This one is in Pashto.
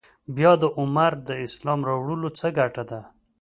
بیا د عمر د اسلام راوړلو څه ګټه ده.